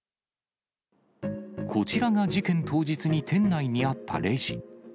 こちらが事件当日に店内にあったレジ。